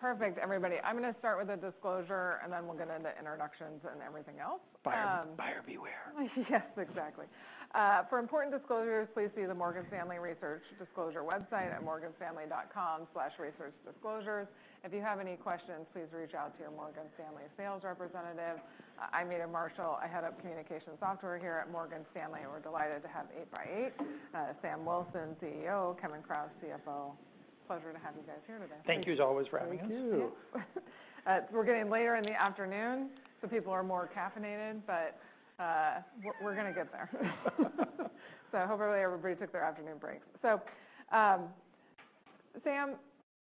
All right, perfect, everybody. I'm going to start with a disclosure and then we'll get into introductions and everything else. Buyer beware. Yes, exactly. For important disclosures, please see the Morgan Stanley Research Disclosure website at morganstanley.com/researchdisclosures. If you have any questions, please reach out to your Morgan Stanley sales representative. I'm Meta Marshall. I head up communication software here at Morgan Stanley. We're delighted to have 8x8. Sam Wilson, CEO. Kevin Kraus, CFO. Pleasure to have you guys here today. Thank you as always for having us. Thank you. We're getting later in the afternoon, so people are more caffeinated, but we're going to get there. So hopefully everybody took their afternoon breaks. So, Sam,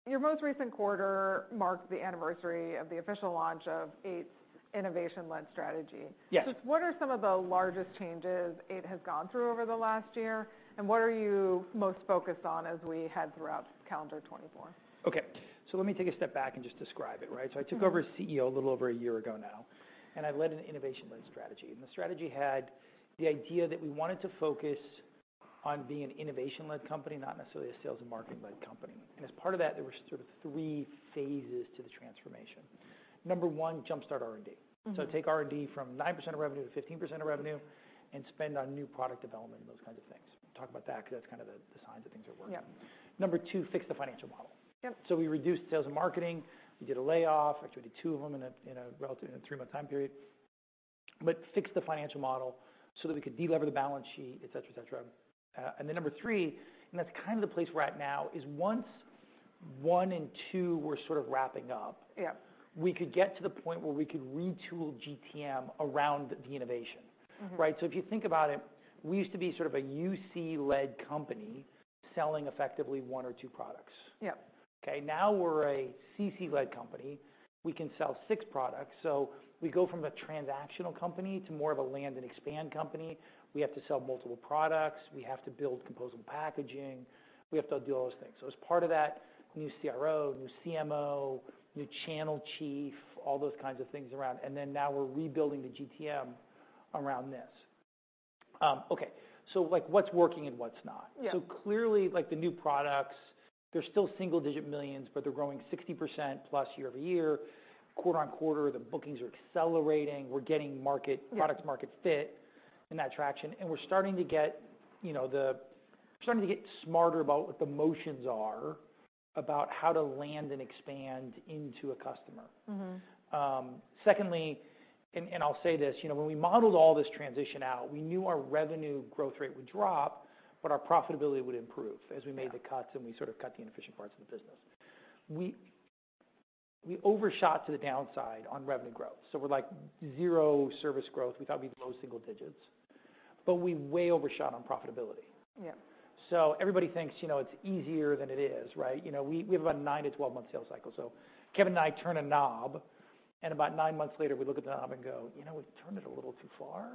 your most recent quarter marked the anniversary of the official launch of 8x8's innovation-led strategy. Yes. What are some of the largest changes 8x8 has gone through over the last year, and what are you most focused on as we head throughout calendar 2024? OK, so let me take a step back and just describe it. So I took over as CEO a little over a year ago now, and I led an innovation-led strategy. The strategy had the idea that we wanted to focus on being an innovation-led company, not necessarily a sales and marketing-led company. As part of that, there were sort of three phases to the transformation. Number one, jump-start R&D. So take R&D from 9% of revenue to 15% of revenue and spend on new product development and those kinds of things. Talk about that because that's kind of the signs that things are working. Number two, fix the financial model. So we reduced sales and marketing. We did a layoff. Actually, we did two of them in a three-month time period. But fix the financial model so that we could delever the balance sheet, et cetera, et cetera. And then number three, and that's kind of the place we're at now, is once one and two were sort of wrapping up, we could get to the point where we could retool GTM around the innovation. So if you think about it, we used to be sort of a UC-led company selling effectively one or two products. Now we're a CC-led company. We can sell six products. So we go from a transactional company to more of a land and expand company. We have to sell multiple products. We have to build composable packaging. We have to do all those things. So as part of that, new CRO, new CMO, new channel chief, all those kinds of things around. And then now we're rebuilding the GTM around this. OK, so what's working and what's not? So clearly, the new products, they're still $ single-digit millions, but they're growing 60%+ year-over-year. Quarter-on-quarter, the bookings are accelerating. We're getting product-market fit in that traction. And we're starting to get smarter about what the motions are about how to land and expand into a customer. Secondly, and I'll say this, when we modeled all this transition out, we knew our revenue growth rate would drop, but our profitability would improve as we made the cuts and we sort of cut the inefficient parts of the business. We overshot to the downside on revenue growth. So we're like zero service growth. We thought we'd be low single digits. But we way overshot on profitability. So everybody thinks it's easier than it is. We have a 9-12-month sales cycle. So Kevin and I turn a knob, and about nine months later, we look at the knob and go, you know, we turned it a little too far.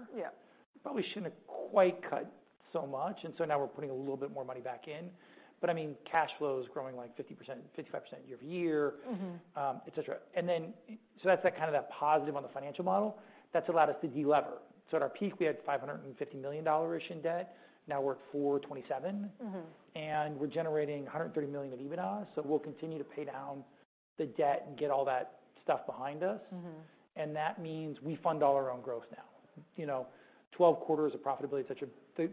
Probably shouldn't have quite cut so much. And so now we're putting a little bit more money back in. But I mean, cash flow is growing like 50%-55% year-over-year, et cetera. And then so that's kind of that positive on the financial model that's allowed us to delever. So at our peak, we had $550 million-ish in debt. Now we're at $427 million. And we're generating $130 million of EBITDA. So we'll continue to pay down the debt and get all that stuff behind us. And that means we fund all our own growth now. 12 quarters of profitability, et cetera,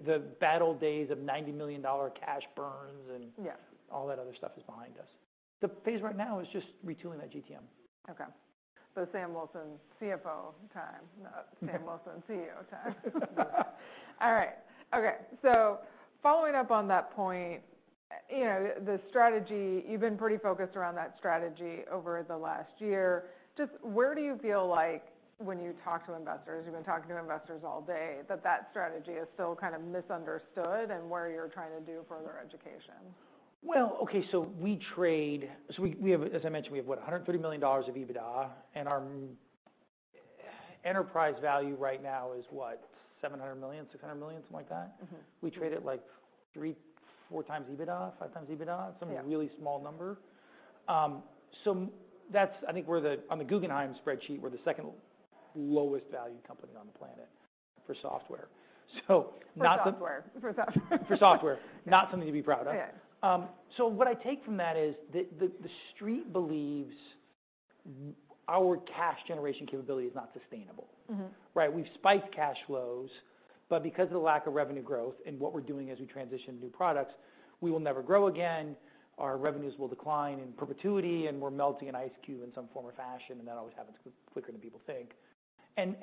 the bad old days of $90 million cash burns and all that other stuff is behind us. The phase right now is just retooling that GTM. OK. So Sam Wilson, CFO time. Sam Wilson, CEO time. All right, OK, so following up on that point, the strategy, you've been pretty focused around that strategy over the last year. Just where do you feel like when you talk to investors, you've been talking to investors all day, that that strategy is still kind of misunderstood and where you're trying to do further education? Well, OK, so we trade, so as I mentioned, we have, what, $130 million of EBITDA. And our enterprise value right now is, what, $700 million, $600 million, something like that. We trade at like 3-4 times EBITDA, 5 times EBITDA. It's some really small number. So I think on the Guggenheim spreadsheet, we're the second lowest valued company on the planet for software. For software. For software. Not something to be proud of. So what I take from that is that the street believes our cash generation capability is not sustainable. We've spiked cash flows, but because of the lack of revenue growth and what we're doing as we transition to new products, we will never grow again. Our revenues will decline in perpetuity, and we're melting an ice cube in some form or fashion. And that always happens quicker than people think. And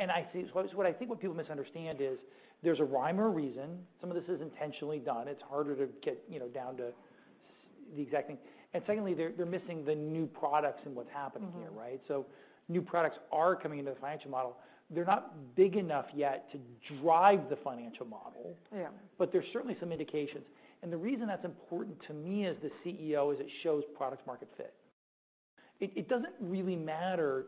what I think what people misunderstand is there's a rhyme or a reason. Some of this is intentionally done. It's harder to get down to the exact thing. And secondly, they're missing the new products and what's happening here. So new products are coming into the financial model. They're not big enough yet to drive the financial model, but there's certainly some indications. The reason that's important to me as the CEO is it shows product-market fit. It doesn't really matter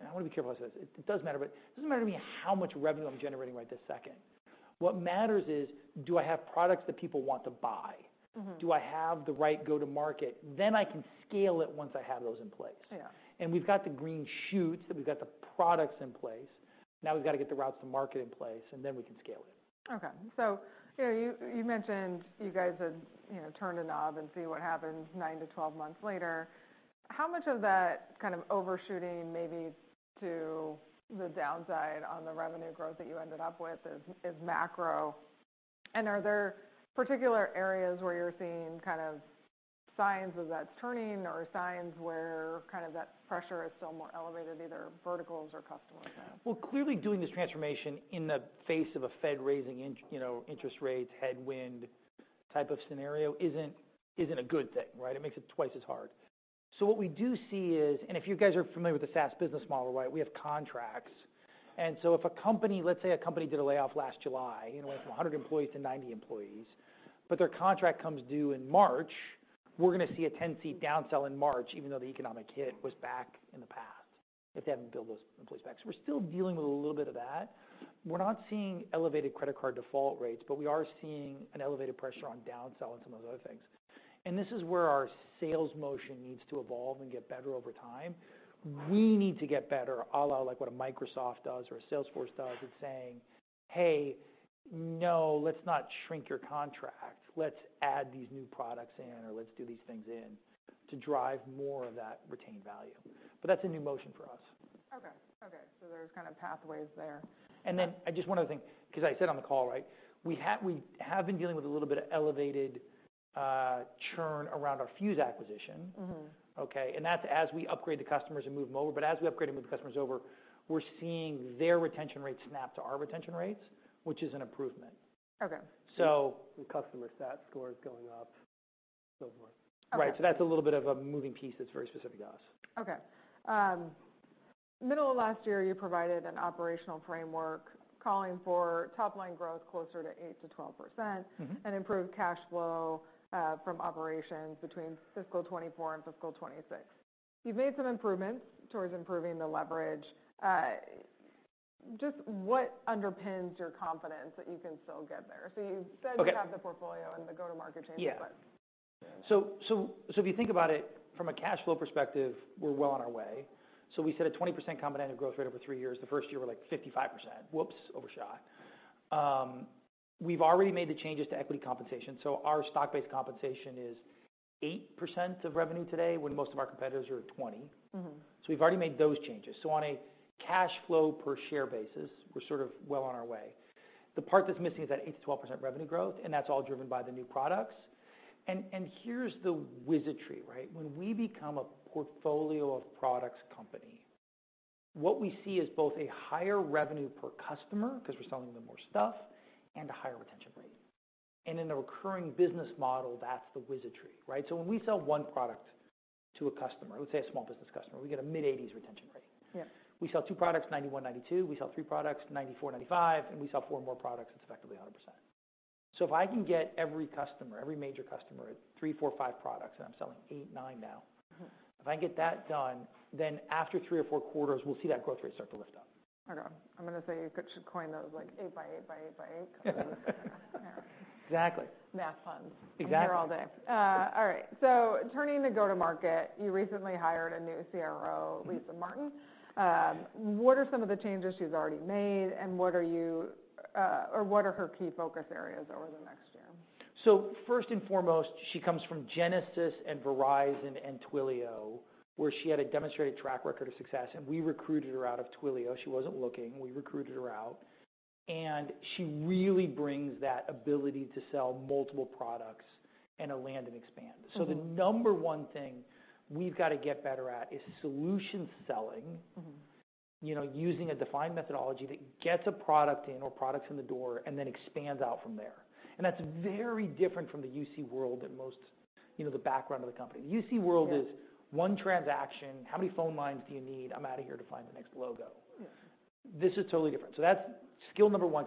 and I want to be careful how I say this. It does matter, but it doesn't matter to me how much revenue I'm generating right this second. What matters is, do I have products that people want to buy? Do I have the right go-to-market? Then I can scale it once I have those in place. And we've got the green shoots. We've got the products in place. Now we've got to get the routes to market in place, and then we can scale it. OK, so you mentioned you guys had turned a knob and seen what happened 9-12 months later. How much of that kind of overshooting, maybe to the downside on the revenue growth that you ended up with, is macro? And are there particular areas where you're seeing kind of signs of that turning or signs where kind of that pressure is still more elevated, either verticals or customers? Well, clearly, doing this transformation in the face of a Fed raising interest rates, headwind type of scenario isn't a good thing. It makes it twice as hard. So what we do see is, and if you guys are familiar with the SaaS business model, we have contracts. And so if a company, let's say a company did a layoff last July, went from 100 employees to 90 employees, but their contract comes due in March, we're going to see a 10-seat downsell in March, even though the economic hit was back in the past if they haven't billed those employees back. So we're still dealing with a little bit of that. We're not seeing elevated credit card default rates, but we are seeing an elevated pressure on downsell and some of those other things. And this is where our sales motion needs to evolve and get better over time. We need to get better, a la what a Microsoft does or a Salesforce does in saying, hey, no, let's not shrink your contract. Let's add these new products in, or let's do these things in to drive more of that retained value. But that's a new motion for us. OK, OK, so there's kind of pathways there. Then just one other thing, because I said on the call, we have been dealing with a little bit of elevated churn around our Fuze acquisition. That's as we upgrade the customers and move them over. As we upgrade and move the customers over, we're seeing their retention rates snap to our retention rates, which is an improvement. The customer CSAT score is going up, so forth. That's a little bit of a moving piece that's very specific to us. OK. Middle of last year, you provided an operational framework calling for top-line growth closer to 8%-12% and improved cash flow from operations between fiscal 2024 and fiscal 2026. You've made some improvements towards improving the leverage. Just what underpins your confidence that you can still get there? So you said you have the portfolio and the go-to-market changes, but. So if you think about it from a cash flow perspective, we're well on our way. We set a 20% compounding growth rate over 3 years. The first year we're like 55%. Whoops, overshot. We've already made the changes to equity compensation. Our stock-based compensation is 8% of revenue today, when most of our competitors are at 20%. So we've already made those changes. So on a cash flow per share basis, we're sort of well on our way. The part that's missing is that 8%-12% revenue growth, and that's all driven by the new products. And here's the wizardry. When we become a portfolio of products company, what we see is both a higher revenue per customer, because we're selling them more stuff, and a higher retention rate. And in a recurring business model, that's the wizard tree. So when we sell one product to a customer, let's say a small business customer, we get a mid-80s retention rate. We sell two products, 91%-92%. We sell three products, 94%-95%. And we sell four more products. It's effectively 100%. So if I can get every customer, every major customer, at three, four, five products, and I'm selling eight, nine now, if I can get that done, then after three or four quarters, we'll see that growth rate start to lift up. OK, I'm going to say you should coin those like 8x8x8x8. Exactly. Math puns. I'm here all day. All right, so turning to go-to-market, you recently hired a new CRO, Lisa Martin. What are some of the changes she's already made, and what are her key focus areas over the next year? So first and foremost, she comes from Genesys and Verizon and Twilio, where she had a demonstrated track record of success. We recruited her out of Twilio. She wasn't looking. We recruited her out. She really brings that ability to sell multiple products and to land and expand. The number one thing we've got to get better at is solution selling, using a defined methodology that gets a product in or products in the door and then expands out from there. That's very different from the UC world and the background of the company. The UC world is one transaction. How many phone lines do you need? I'm out of here to find the next logo. This is totally different. That's skill number one.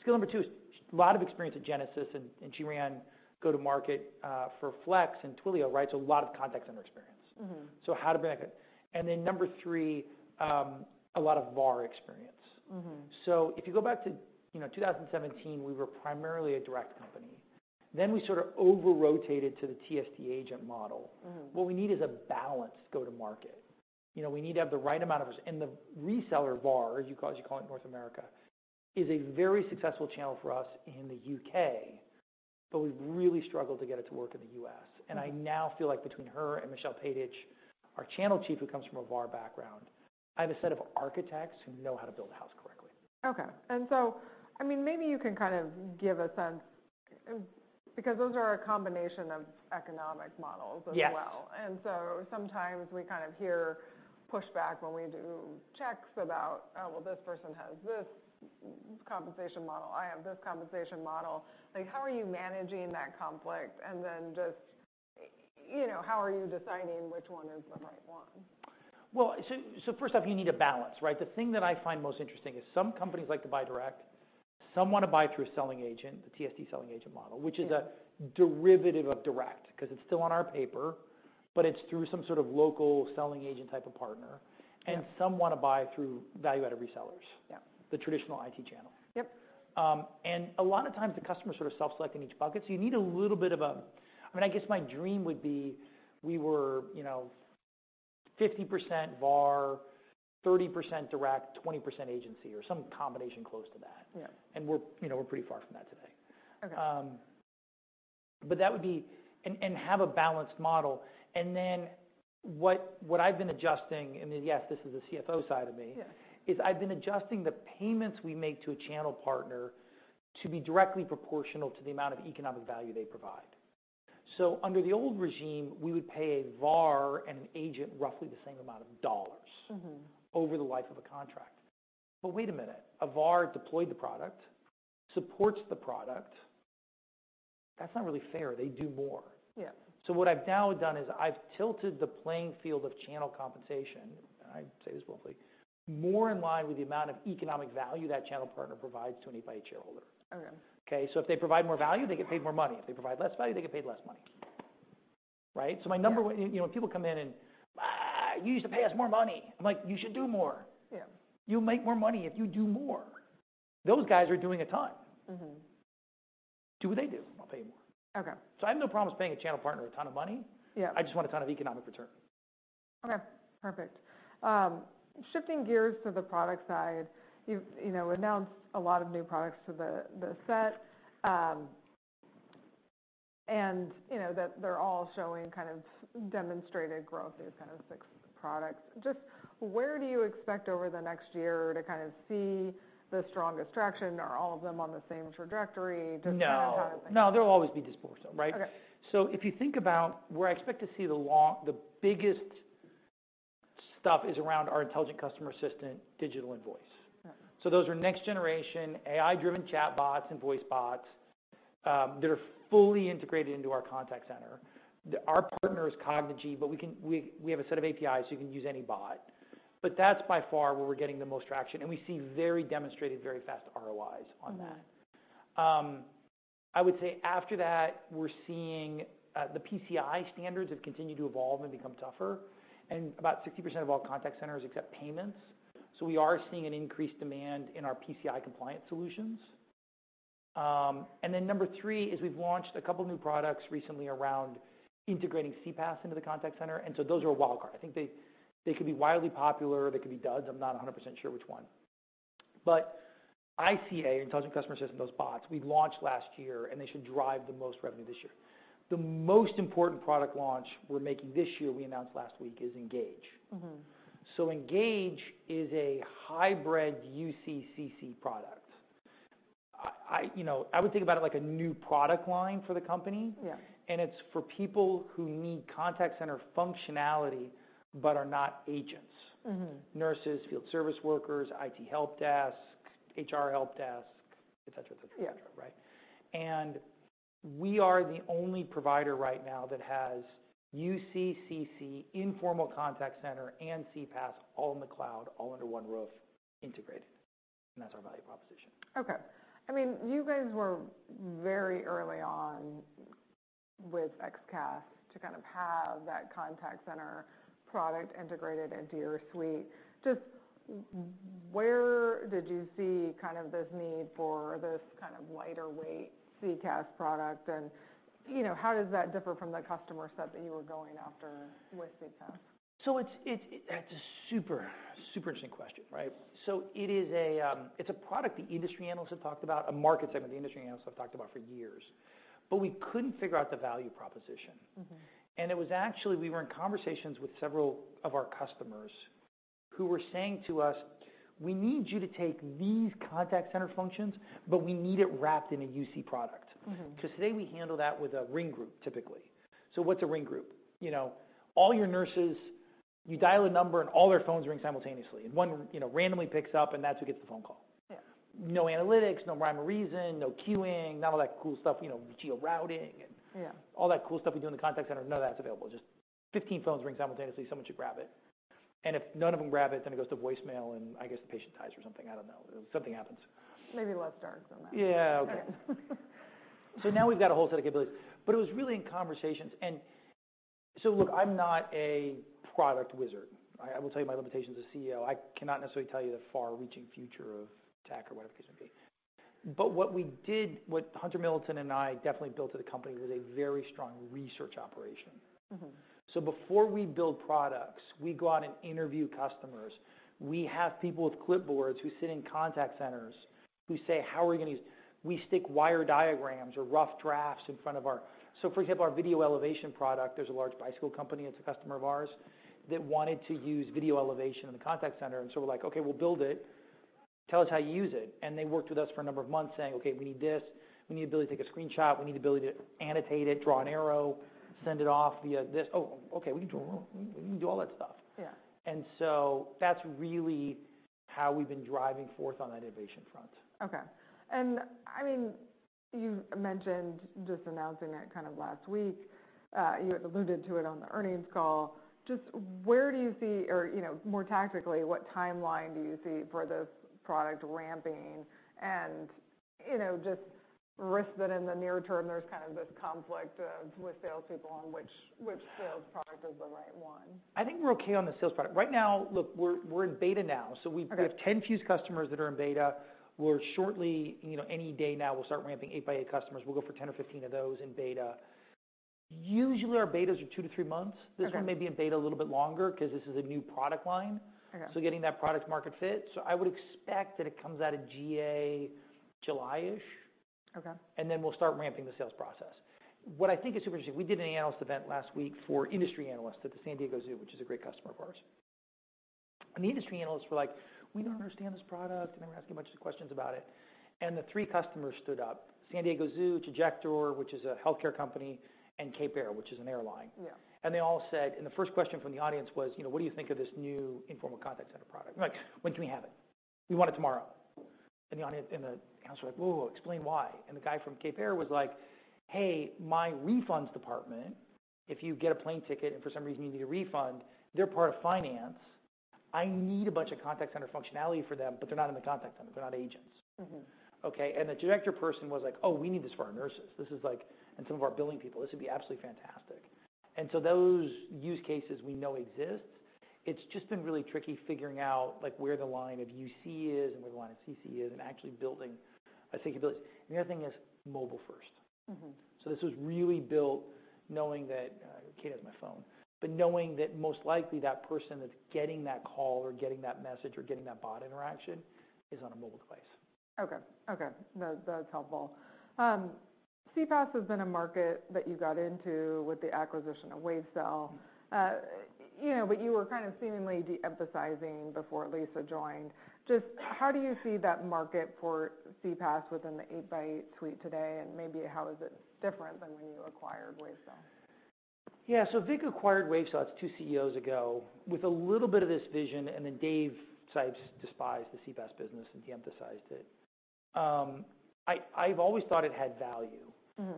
Skill number two is a lot of experience at Genesys. And she ran go-to-market for Flex and Twilio, so a lot of context under experience. So how to bring that good. And then number three, a lot of VAR experience. So if you go back to 2017, we were primarily a direct company. Then we sort of over-rotated to the TSD agent model. What we need is a balanced go-to-market. We need to have the right amount of resellers. And the reseller VAR, as you call it in North America, is a very successful channel for us in the U.K., but we've really struggled to get it to work in the U.S. And I now feel like between her and Michelle Paitich, our channel chief who comes from a VAR background, I have a set of architects who know how to build a house correctly. Okay, and so maybe you can kind of give a sense, because those are a combination of economic models as well. And so sometimes we kind of hear pushback when we do checks about, well, this person has this compensation model. I have this compensation model. How are you managing that conflict? And then just how are you deciding which one is the right one? Well, so first off, you need a balance. The thing that I find most interesting is some companies like to buy direct. Some want to buy through a selling agent, the TSD selling agent model, which is a derivative of direct, because it's still on our paper, but it's through some sort of local selling agent type of partner. And some want to buy through value-added resellers, the traditional IT channel. And a lot of times, the customer is sort of self-selecting each bucket. So you need a little bit of a, I guess my dream would be we were 50% VAR, 30% direct, 20% agency, or some combination close to that. And we're pretty far from that today. But that would be and have a balanced model. And then what I've been adjusting and yes, this is the CFO side of me is I've been adjusting the payments we make to a channel partner to be directly proportional to the amount of economic value they provide. So under the old regime, we would pay a VAR and an agent roughly the same amount of dollars over the life of a contract. But wait a minute. A VAR deployed the product, supports the product. That's not really fair. They do more. So what I've now done is I've tilted the playing field of channel compensation, and I say this bluntly, more in line with the amount of economic value that channel partner provides to an 8x8 shareholder. So if they provide more value, they get paid more money. If they provide less value, they get paid less money. So when people come in and you used to pay us more money, I'm like, you should do more. You make more money if you do more. Those guys are doing a ton. Do what they do. I'll pay you more. So I have no problems paying a channel partner a ton of money. I just want a ton of economic return. OK, perfect. Shifting gears to the product side, you've announced a lot of new products to the set, and they're all showing kind of demonstrated growth, these kind of six products. Just where do you expect over the next year to kind of see the strongest traction? Are all of them on the same trajectory? No, no, they'll always be disposal. So if you think about where I expect to see the biggest stuff is around our Intelligent Customer Assistant, digital voice. So those are next-generation AI-driven chatbots and voice bots that are fully integrated into our contact center. Our partner is Cognigy, but we have a set of APIs, so you can use any bot. But that's by far where we're getting the most traction. And we see very demonstrated, very fast ROIs on that. I would say after that, we're seeing the PCI standards have continued to evolve and become tougher. And about 60% of all contact centers accept payments. So we are seeing an increased demand in our PCI compliance solutions. And then number three is we've launched a couple of new products recently around integrating CPaaS into the contact center. And so those are a wild card. I think they could be wildly popular. They could be duds. I'm not 100% sure which one. But ICA, Intelligent Customer Assistant, those bots, we launched last year, and they should drive the most revenue this year. The most important product launch we're making this year we announced last week is Engage. So Engage is a hybrid UC/CC product. I would think about it like a new product line for the company. And it's for people who need contact center functionality but are not agents: nurses, field service workers, IT help desk, HR help desk, et cetera, et cetera, et cetera. And we are the only provider right now that has UC/CC, informal contact center, and CPaaS all in the cloud, all under one roof, integrated. And that's our value proposition. OK, I mean, you guys were very early on with XCaaS to kind of have that contact center product integrated into your suite. Just where did you see kind of this need for this kind of lighter weight CPaaS product? And how does that differ from the customer set that you were going after with CPaaS? So that's a super, super interesting question. So it's a product the industry analysts have talked about, a market segment the industry analysts have talked about for years. But we couldn't figure out the value proposition. And it was actually, we were in conversations with several of our customers who were saying to us, we need you to take these contact center functions, but we need it wrapped in a UC product. Because today, we handle that with a ring group, typically. So what's a ring group? All your nurses, you dial a number, and all their phones ring simultaneously. And one randomly picks up, and that's who gets the phone call. No analytics, no rhyme or reason, no queuing, not all that cool stuff, geo-routing, and all that cool stuff we do in the contact center, none of that's available. Just 15 phones ring simultaneously. Someone should grab it. If none of them grab it, then it goes to voicemail, and I guess the patient dies or something. I don't know. Something happens. Maybe less dark than that. Yeah, OK. So now we've got a whole set of capabilities. But it was really in conversations. And so look, I'm not a product wizard. I will tell you my limitations as CEO. I cannot necessarily tell you the far-reaching future of tech or whatever it is may be. But what we did, what Hunter Middleton and I definitely built to the company, was a very strong research operation. So before we build products, we go out and interview customers. We have people with clipboards who sit in contact centers who say, how are we going to use it. We stick wire diagrams or rough drafts in front of ours, so for example, our Video Elevation product, there's a large bicycle company that's a customer of ours that wanted to use Video Elevation in the contact center. And so we're like, OK, we'll build it. Tell us how you use it. They worked with us for a number of months saying, OK, we need this. We need the ability to take a screenshot. We need the ability to annotate it, draw an arrow, send it off via this. Oh, OK, we can do all that stuff. And so that's really how we've been driving forth on that innovation front. OK, and I mean, you mentioned just announcing it kind of last week. You had alluded to it on the earnings call. Just where do you see more tactically, what timeline do you see for this product ramping? And just risk that in the near term, there's kind of this conflict with salespeople on which sales product is the right one? I think we're OK on the sales product. Right now, look, we're in beta now. So we have 10 Fuze customers that are in beta. We're shortly any day now, we'll start ramping 8x8 customers. We'll go for 10 or 15 of those in beta. Usually, our betas are 2-3 months. This one may be in beta a little bit longer, because this is a new product line. So getting that product-market fit. So I would expect that it comes out of GA July-ish. Then we'll start ramping the sales process. What I think is super interesting, we did an analyst event last week for industry analysts at the San Diego Zoo, which is a great customer of ours. The industry analysts were like, "We don't understand this product." They were asking a bunch of questions about it. And the three customers stood up: San Diego Zoo, Trajector, which is a health care company, and Cape Air, which is an airline. And they all said and the first question from the audience was, what do you think of this new informal contact center product? We're like, when can we have it? We want it tomorrow. And the analysts were like, whoa, explain why. And the guy from Cape Air was like, hey, my refunds department, if you get a plane ticket and for some reason you need a refund, they're part of finance. I need a bunch of contact center functionality for them, but they're not in the contact center. They're not agents. And the Trajector person was like, oh, we need this for our nurses. And some of our billing people, this would be absolutely fantastic. And so those use cases, we know, exist. It's just been really tricky figuring out where the line of UC is and where the line of CC is and actually building a capability. The other thing is mobile first. This was really built knowing that Kate has my phone, but knowing that most likely that person that's getting that call or getting that message or getting that bot interaction is on a mobile device. OK, OK, that's helpful. CPaaS has been a market that you got into with the acquisition of Wavecell. But you were kind of seemingly de-emphasizing before Lisa joined. Just how do you see that market for CPaaS within the 8x8 suite today? And maybe how is it different than when you acquired Wavecell? Yeah, so Vik acquired Wavecell two CEOs ago with a little bit of this vision. And then Dave Sipes despised the CPaaS business and de-emphasized it. I've always thought it had value.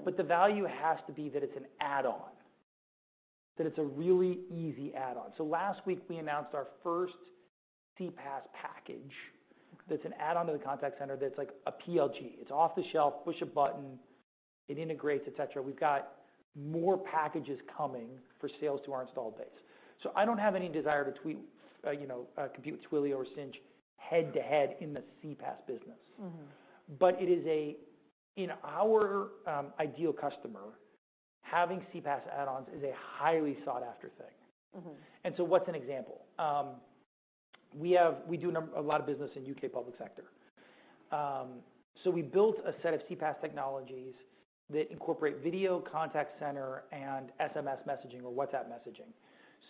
But the value has to be that it's an add-on, that it's a really easy add-on. So last week, we announced our first CPaaS package that's an add-on to the contact center that's like a PLG. It's off the shelf. Push a button. It integrates, et cetera. We've got more packages coming for sales to our installed base. So I don't have any desire to compete with Twilio or Sinch head to head in the CPaaS business. But in our ideal customer, having CPaaS add-ons is a highly sought-after thing. And so what's an example? We do a lot of business in UK public sector. So we built a set of CPaaS technologies that incorporate video contact center and SMS messaging or WhatsApp messaging.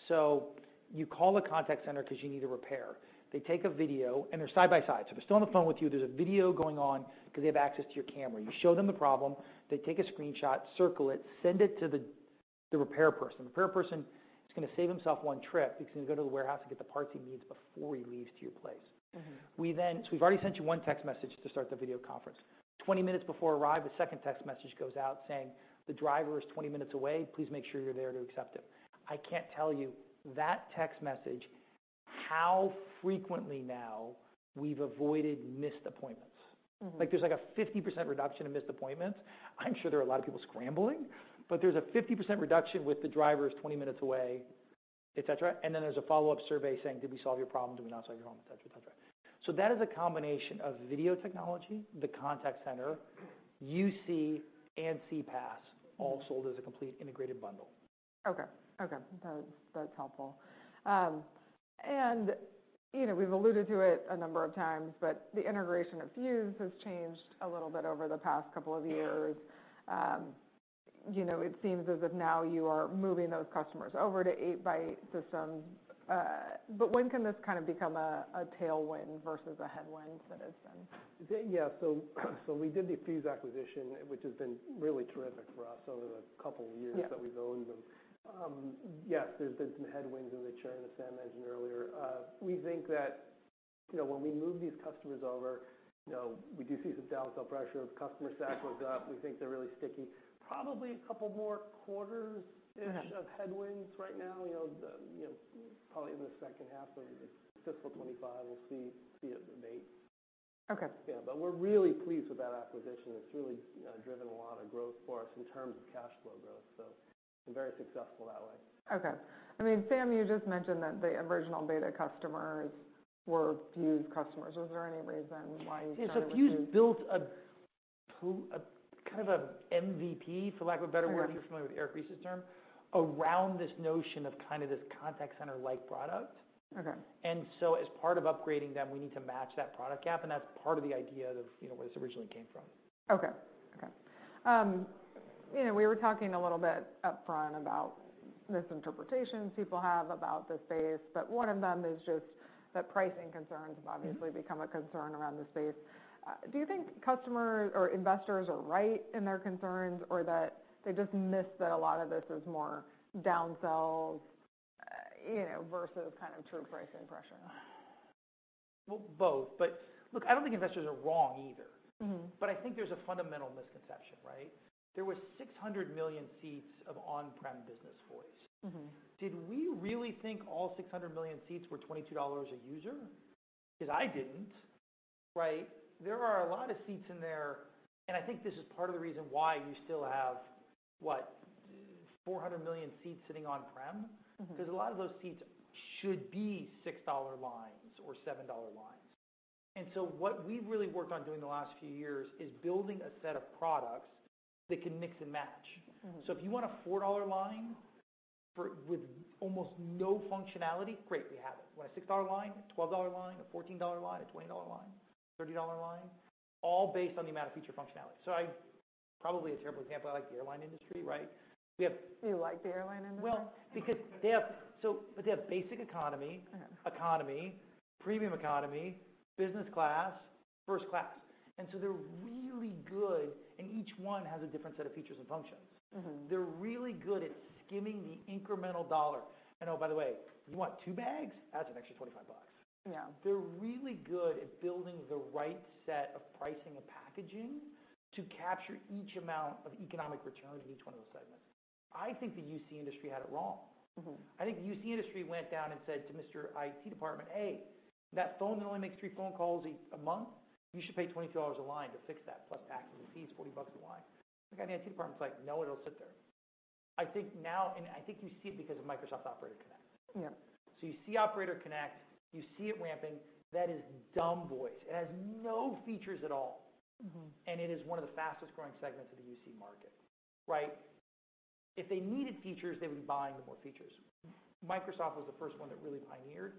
So you call a contact center because you need a repair. They take a video, and they're side by side. So if they're still on the phone with you, there's a video going on because they have access to your camera. You show them the problem. They take a screenshot, circle it, send it to the repair person. The repair person is going to save himself one trip, because he's going to go to the warehouse and get the parts he needs before he leaves to your place. So we've already sent you one text message to start the video conference. 20 minutes before arrival, a second text message goes out saying, "the driver is 20 minutes away. Please make sure you're there to accept him. I can't tell you that text message how frequently now we've avoided missed appointments. There's like a 50% reduction in missed appointments. I'm sure there are a lot of people scrambling. But there's a 50% reduction with the driver is 20 minutes away, et cetera. And then there's a follow-up survey saying, did we solve your problem? Did we not solve your problem? Et cetera, et cetera. So that is a combination of video technology, the contact center, UC, and CPaaS all sold as a complete integrated bundle. OK, OK, that's helpful. We've alluded to it a number of times. The integration of Fuze has changed a little bit over the past couple of years. It seems as if now you are moving those customers over to 8x8 systems. When can this kind of become a tailwind versus a headwind that has been? Yeah, so we did the Fuze acquisition, which has been really terrific for us over the couple of years that we've owned them. Yes, there's been some headwinds in the share and the S&M engine earlier. We think that when we move these customers over, we do see some downsell pressure. Customer sat was up. We think they're really sticky. Probably a couple more quarters-ish of headwinds right now, probably in the second half of the fiscal 2025. We'll see it abate. Yeah, but we're really pleased with that acquisition. It's really driven a lot of growth for us in terms of cash flow growth. So we're very successful that way. OK, I mean, Sam, you just mentioned that the original beta customers were Fuze customers. Was there any reason why you started with Fuze? So Fuze built kind of an MVP, for lack of a better word, if you're familiar with Eric Ries's term, around this notion of kind of this contact center-like product. And so as part of upgrading them, we need to match that product gap. And that's part of the idea of where this originally came from. OK, OK, we were talking a little bit up front about misinterpretations people have about the space. But one of them is just that pricing concerns have obviously become a concern around the space. Do you think customers or investors are right in their concerns, or that they just miss that a lot of this is more downsells versus kind of true pricing pressure? Well, both. But look, I don't think investors are wrong either. But I think there's a fundamental misconception. There were 600 million seats of on-prem business voice. Did we really think all 600 million seats were $22 a user? Because I didn't. There are a lot of seats in there. And I think this is part of the reason why you still have what, 400 million seats sitting on-prem. Because a lot of those seats should be $6 lines or $7 lines. And so what we've really worked on doing the last few years is building a set of products that can mix and match. So if you want a $4 line with almost no functionality, great, we have it. You want a $6 line, a $12 line, a $14 line, a $20 line, a $30 line, all based on the amount of feature functionality. Probably a terrible example, I like the airline industry. You like the airline industry? Well, because they have basic economy, premium economy, business class, first class. And so they're really good. And each one has a different set of features and functions. They're really good at skimming the incremental dollar. And oh, by the way, you want 2 bags? Add some extra $25. They're really good at building the right set of pricing and packaging to capture each amount of economic return in each one of those segments. I think the UC industry had it wrong. I think the UC industry went down and said to Mr. IT department, hey, that phone that only makes 3 phone calls a month, you should pay $22 a line to fix that, plus taxes and fees, $40 a line. The guy in the IT department was like, no, it'll sit there. I think now, and I think you see it because of Microsoft Operator Connect. You see Operator Connect. You see it ramping. That is dumb voice. It has no features at all. It is one of the fastest growing segments of the UC market. If they needed features, they would be buying the more features. Microsoft was the first one that really pioneered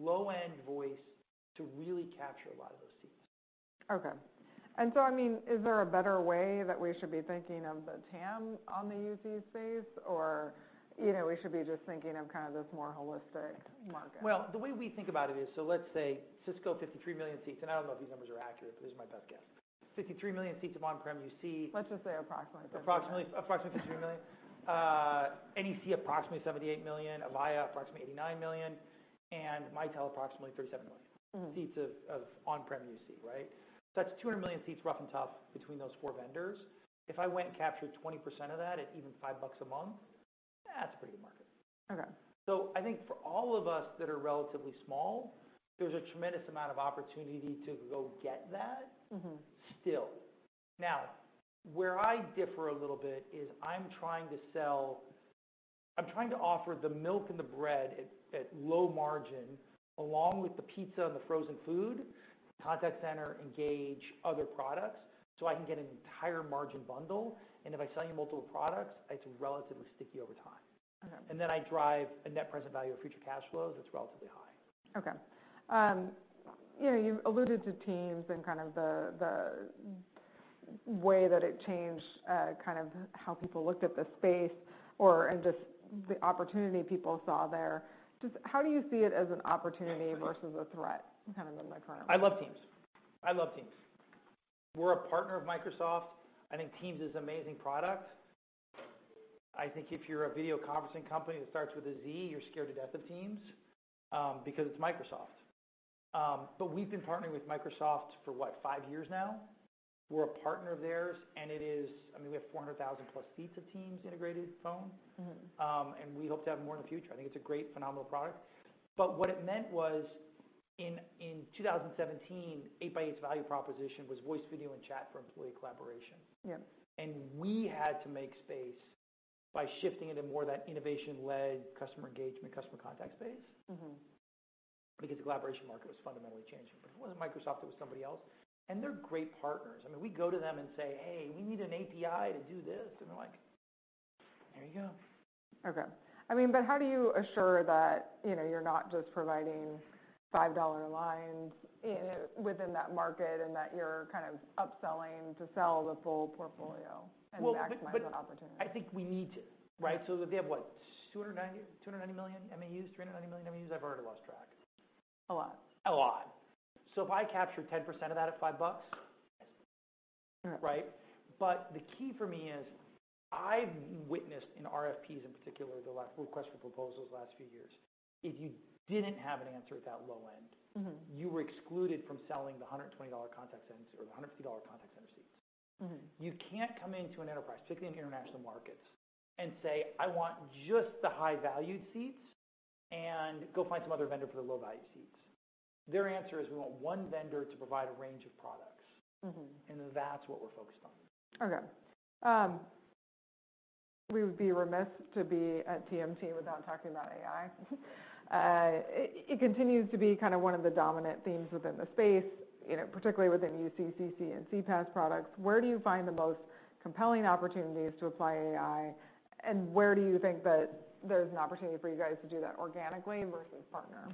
low-end voice to really capture a lot of those seats. OK, and so I mean, is there a better way that we should be thinking of the TAM on the UC space? Or we should be just thinking of kind of this more holistic market? Well, the way we think about it is, so let's say Cisco 53 million seats. I don't know if these numbers are accurate, but this is my best guess. 53 million seats of on-prem UC. Let's just say approximately. Approximately 53 million. NEC approximately 78 million. Avaya approximately 89 million. And Mitel approximately 37 million seats of on-prem UC. So that's 200 million seats, rough and tough, between those four vendors. If I went and captured 20% of that at even $5 a month, that's a pretty good market. So I think for all of us that are relatively small, there's a tremendous amount of opportunity to go get that still. Now, where I differ a little bit is I'm trying to offer the milk and the bread at low margin, along with the pizza and the frozen food, contact center, engage, other products, so I can get an entire margin bundle. And if I sell you multiple products, it's relatively sticky over time. And then I drive a net present value of future cash flows that's relatively high. OK, you alluded to Teams and kind of the way that it changed kind of how people looked at the space and just the opportunity people saw there. Just how do you see it as an opportunity versus a threat kind of in the current market? I love Teams. I love Teams. We're a partner of Microsoft. I think Teams is an amazing product. I think if you're a video conferencing company that starts with a Z, you're scared to death of Teams, because it's Microsoft. But we've been partnering with Microsoft for what, 5 years now? We're a partner of theirs. And I mean, we have 400,000+ seats of Teams integrated phone. And we hope to have more in the future. I think it's a great, phenomenal product. But what it meant was in 2017, 8x8's value proposition was voice, video, and chat for employee collaboration. And we had to make space by shifting it in more that innovation-led customer engagement, customer contact space, because the collaboration market was fundamentally changing. But if it wasn't Microsoft, it was somebody else. And they're great partners. I mean, we go to them and say, hey, we need an API to do this. And they're like, there you go. OK, I mean, but how do you assure that you're not just providing $5 lines within that market and that you're kind of upselling to sell the full portfolio and maximize that opportunity? Well, I think we need to. So they have what, 290 million MAUs, 390 million MAUs? I've already lost track. A lot. A lot. So if I capture 10% of that at $5, yes. But the key for me is I've witnessed in RFPs in particular, the request for proposals the last few years, if you didn't have an answer at that low end, you were excluded from selling the $120 contact center or the $150 contact center seats. You can't come into an enterprise, particularly in international markets, and say, I want just the high-valued seats and go find some other vendor for the low-value seats. Their answer is, we want one vendor to provide a range of products. And that's what we're focused on. OK, we would be remiss to be at TMT without talking about AI. It continues to be kind of one of the dominant themes within the space, particularly within UC, CC, and CPaaS products. Where do you find the most compelling opportunities to apply AI? And where do you think that there's an opportunity for you guys to do that organically versus partner?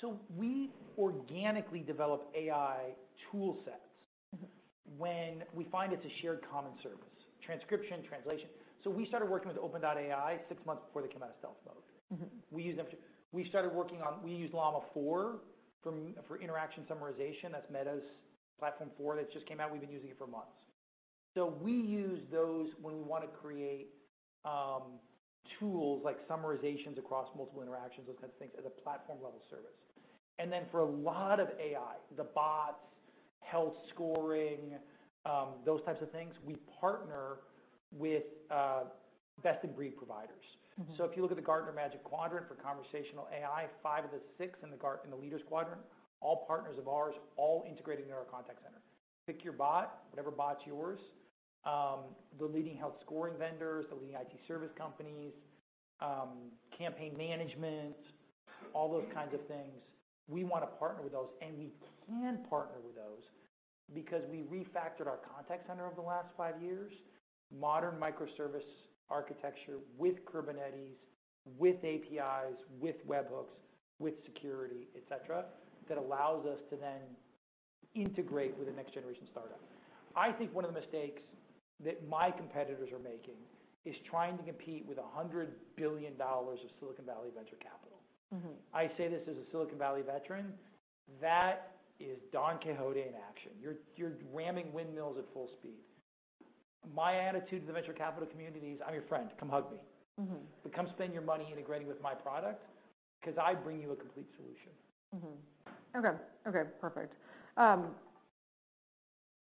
So we organically develop AI toolsets when we find it's a shared common service transcription, translation. So we started working with OpenAI six months before they came out of stealth mode. We started working on. We used Llama 4 for interaction summarization. That's Meta's platform 4 that just came out. We've been using it for months. So we use those when we want to create tools like summarizations across multiple interactions, those kinds of things, as a platform-level service. And then for a lot of AI, the bots, health scoring, those types of things, we partner with best-in-breed providers. So if you look at the Gartner Magic Quadrant for conversational AI, five of the six in the leaders' quadrant, all partners of ours, all integrated into our contact center. Pick your bot, whatever bot's yours, the leading health scoring vendors, the leading IT service companies, campaign management, all those kinds of things. We want to partner with those. We can partner with those, because we refactored our contact center over the last five years, modern microservice architecture with Kubernetes, with APIs, with webhooks, with security, et cetera, that allows us to then integrate with a next-generation startup. I think one of the mistakes that my competitors are making is trying to compete with $100 billion of Silicon Valley venture capital. I say this as a Silicon Valley veteran. That is Don Quixote in action. You're ramming windmills at full speed. My attitude to the venture capital community is, I'm your friend. Come hug me. But come spend your money integrating with my product, because I bring you a complete solution. OK, OK, perfect.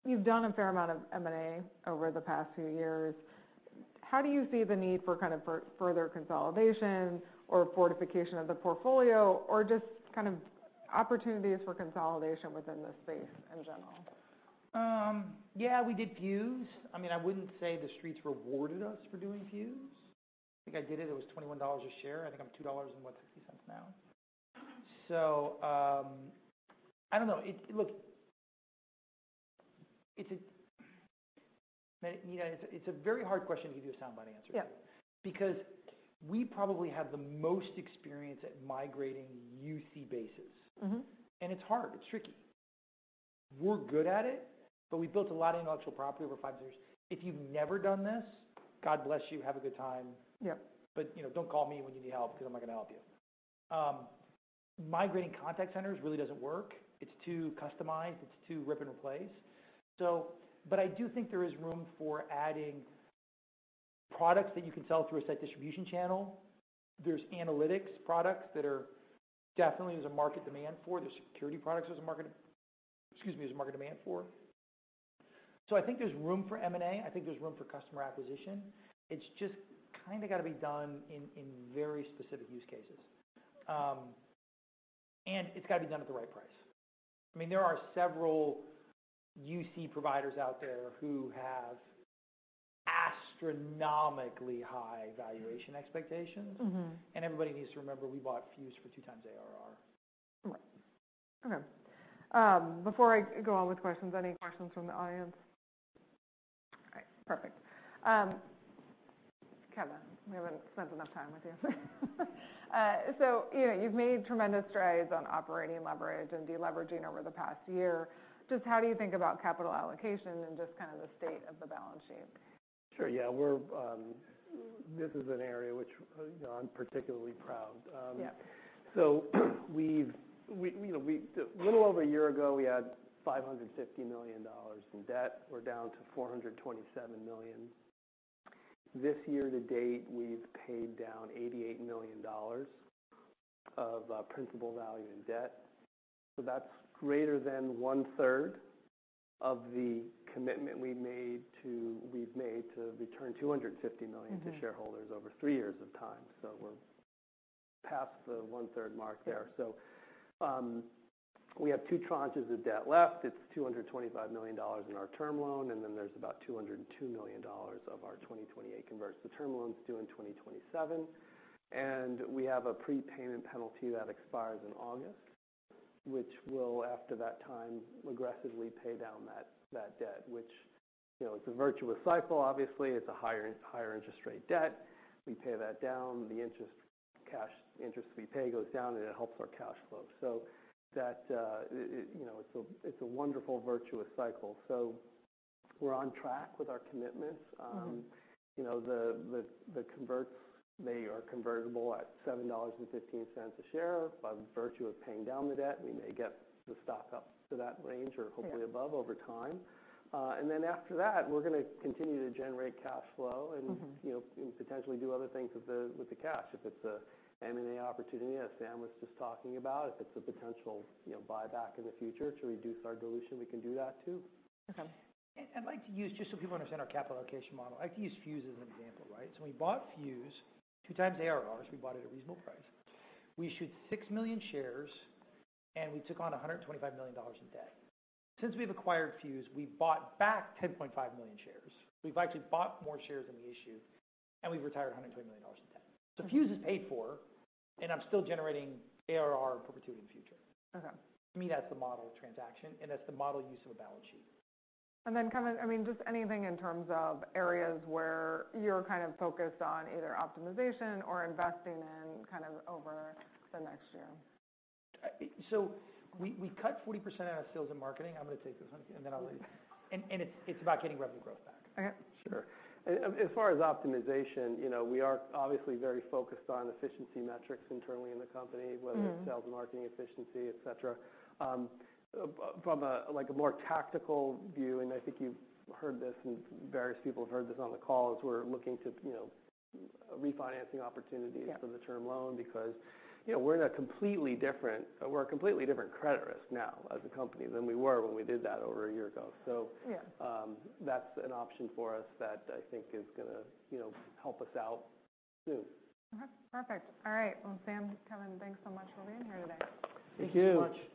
You've done a fair amount of M&A over the past few years. How do you see the need for kind of further consolidation or fortification of the portfolio or just kind of opportunities for consolidation within the space in general? Yeah, we did Fuze. I mean, I wouldn't say the streets rewarded us for doing Fuze. I think I did it. It was $21 a share. I think I'm $2 and what, $0.50 now. So I don't know. Look, it's a very hard question to give you a soundbite answer to, because we probably have the most experience at migrating UC bases. It's hard. It's tricky. We're good at it. But we built a lot of intellectual property over five years. If you've never done this, God bless you. Have a good time. But don't call me when you need help, because I'm not going to help you. Migrating contact centers really doesn't work. It's too customized. It's too rip and replace. But I do think there is room for adding products that you can sell through a set distribution channel. There's analytics products that definitely there's a market demand for. There's security products there's a market demand for. So I think there's room for M&A. I think there's room for customer acquisition. It's just kind of got to be done in very specific use cases. And it's got to be done at the right price. I mean, there are several UC providers out there who have astronomically high valuation expectations. And everybody needs to remember, we bought Fuze for 2x ARR. Right, OK, before I go on with questions, any questions from the audience? All right, perfect. Kevin, we haven't spent enough time with you. So you've made tremendous strides on operating leverage and deleveraging over the past year. Just how do you think about capital allocation and just kind of the state of the balance sheet? Sure, yeah, this is an area which I'm particularly proud of. So a little over a year ago, we had $550 million in debt. We're down to $427 million. This year to date, we've paid down $88 million of principal value in debt. So that's greater than one third of the commitment we've made to return $250 million to shareholders over three years of time. So we're past the one third mark there. So we have two tranches of debt left. It's $225 million in our term loan. And then there's about $202 million of our 2028 converts. The term loan's due in 2027. And we have a prepayment penalty that expires in August, which will, after that time, aggressively pay down that debt, which it's a virtuous cycle, obviously. It's a higher interest rate debt. We pay that down. The cash interest we pay goes down. It helps our cash flow. It's a wonderful virtuous cycle. We're on track with our commitments. The converts, they are convertible at $7.15 a share. By virtue of paying down the debt, we may get the stock up to that range or hopefully above over time. And then after that, we're going to continue to generate cash flow and potentially do other things with the cash. If it's an M&A opportunity that Sam was just talking about, if it's a potential buyback in the future to reduce our dilution, we can do that too. OK, I'd like to use just so people understand our capital allocation model. I'd like to use Fuze as an example. So we bought Fuze 2x ARR. We bought it at a reasonable price. We issued 6 million shares. We took on $125 million in debt. Since we've acquired Fuze, we bought back 10.5 million shares. We've actually bought more shares than we issued. We've retired $120 million in debt. So Fuze is paid for. I'm still generating ARR perpetuity in the future. To me, that's the model transaction. That's the model use of a balance sheet. And then kind of I mean, just anything in terms of areas where you're kind of focused on either optimization or investing in kind of over the next year? We cut 40% out of sales and marketing. I'm going to take this. Then I'll leave it. It's about getting revenue growth back. Sure, as far as optimization, we are obviously very focused on efficiency metrics internally in the company, whether it's sales and marketing efficiency, et cetera. From a more tactical view, and I think you've heard this and various people have heard this on the call, as we're looking to refinancing opportunities for the term loan, because we're in a completely different credit risk now as a company than we were when we did that over a year ago. So that's an option for us that I think is going to help us out soon. OK, perfect. All right, well, Sam, Kevin, thanks so much for being here today. Thank you.